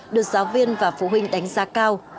được giáo viên và phụ huynh đánh giá cao